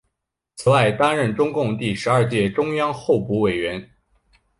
此外担任中共第十二届中央候补委员。